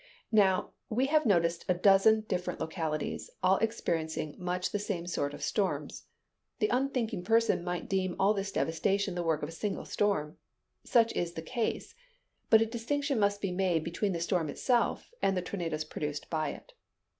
Now, we have noticed a dozen different localities, all experiencing much the same sort of storms. The unthinking person might deem all this devastation the work of a single storm. Such is the case: but a distinction must be made between the storm itself, and the tornadoes produced by it.